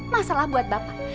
masalah buat bapak